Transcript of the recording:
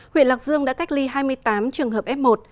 huyện lạc dương đã cách ly hai mươi tám trường hợp f một